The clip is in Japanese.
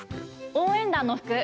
応援団の服。